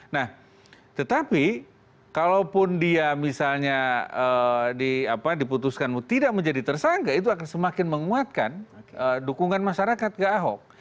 nah tetapi kalaupun dia misalnya diputuskan tidak menjadi tersangka itu akan semakin menguatkan dukungan masyarakat ke ahok